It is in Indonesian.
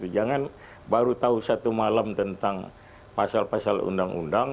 jangan baru tahu satu malam tentang pasal pasal undang undang